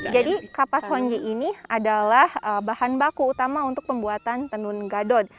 jadi kapas honjek ini adalah bahan baku utama untuk pembuatan tenur gato